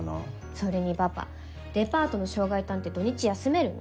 それにパパデパートの渉外担って土日休めるの？